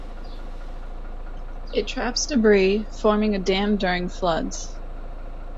It traps debris, forming a dam during floods.